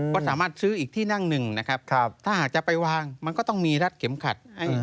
ก็สามารถซื้ออีกที่นั่งหนึ่งนะครับถ้าหากจะไปวางมันก็ต้องมีรัดเข็มขัด